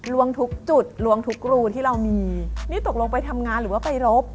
ลวงทุกจุดลวงทุกรูที่เรามีนี่ตกลงไปทำงานหรือว่าไปรบ